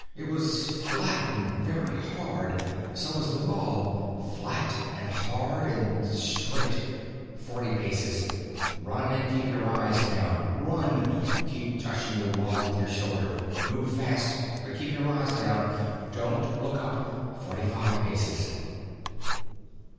It was flat and very hard. So was the wall. Flat and hard and straight. _Forty paces. Run and keep your eyes down. Run. Keep touching the wall with your shoulder. Move fast. But keep your eyes down. Don't look up. Forty five paces.